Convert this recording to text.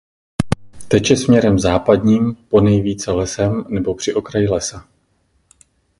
Teče směrem západním ponejvíce lesem nebo při okraji lesa.